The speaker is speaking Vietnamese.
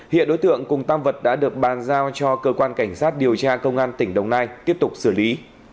hiện đối tượng cùng tam vật đã được bàn giao cho cơ quan cảnh sát điều tra công an tỉnh đồng nai tiếp tục xử lý